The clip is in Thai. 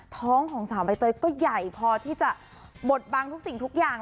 ท้องของสาวใบเตยก็ใหญ่พอที่จะบดบังทุกสิ่งทุกอย่าง